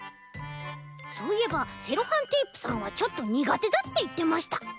そういえばセロハンテープさんはちょっとにがてだっていってました。